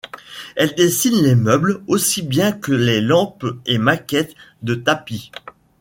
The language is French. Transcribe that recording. Il dessine les meubles aussi bien que les lampes et maquettes de tapis.